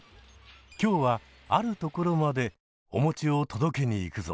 今日はあるところまでおもちを届けに行くぞ！